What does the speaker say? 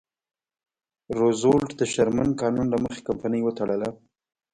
روزولټ د شرمن قانون له مخې کمپنۍ وتړله.